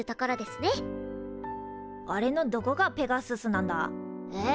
あれのどこがペガススなんだ？え？